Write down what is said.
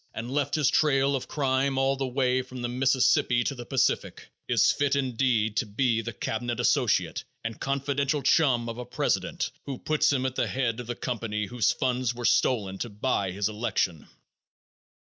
and left his trail of crime all the way from the Mississippi to the Pacific, is fit, indeed, to be the cabinet associate and confidential chum of a president who puts him at the head of the company whose funds were stolen to buy his election.